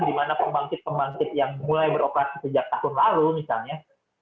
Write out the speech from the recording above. di mana pembangkit pembangkit yang mulai beroperasi sejak tahun lalu misalnya